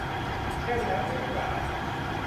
เต้นแร้งเต้นกา